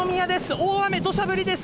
大雨どしゃ降りです。